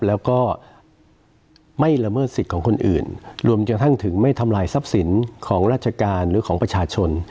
แล้วก็ไม่ละเมิดสิทธิ์ของคนอื่นรวมกระทั่งถึงไม่ทำลายทรัพย์สินของราชการหรือของประชาชน